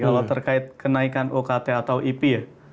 kalau terkait kenaikan ukt atau ip ya